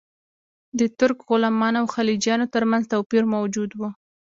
د ترک غلامانو او خلجیانو ترمنځ توپیر موجود و.